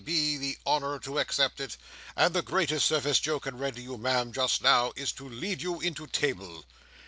B. the honour to accept it; and the greatest service Joe can render you, Ma'am, just now, is, to lead you into table!"